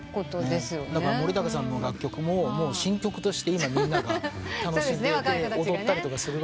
だから森高さんの楽曲も新曲として今みんなが楽しんで踊ったりする。